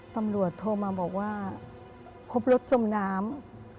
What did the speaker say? ตำรวจโทรมาบอกว่าพบรถจมน้ำ